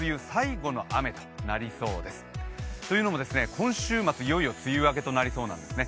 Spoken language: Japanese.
今週末、いよいよ梅雨明けとなりそうなんですね。